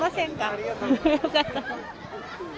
ありがとうございます。